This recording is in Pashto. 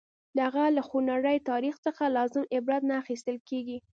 د هغه له خونړي تاریخ څخه لازم عبرت نه اخیستل کېږي.